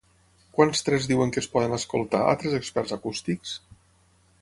Quants tres diuen que es poden escoltar altres experts acústics?